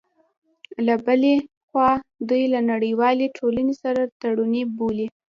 له بلې خوا، دوی له نړیوالې ټولنې سره تړوني بولي